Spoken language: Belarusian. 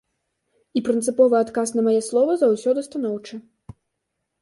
І прынцыповы адказ на мае словы заўсёды станоўчы.